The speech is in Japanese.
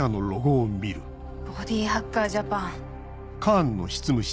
ボディハッカージャパン。